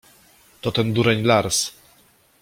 — To ten dureń Lars!